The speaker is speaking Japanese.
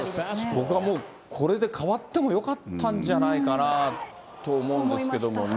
僕はもうこれで代わってもよかったんじゃないかなと思うんで思いました。